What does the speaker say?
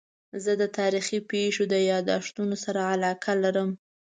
زه د تاریخي پېښو د یادښتونو سره علاقه لرم.